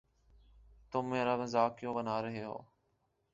تم میرا مزاق کیوں بنا رہے ہو؟